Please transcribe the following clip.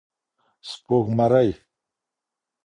سپوږمرۍ